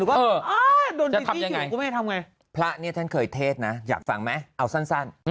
นี้ก็จะทำยังไงพระเนี้ยท่านเคยเทศนะอยากฟังไหมเอาสั้น